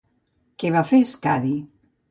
Què va fer Skadi?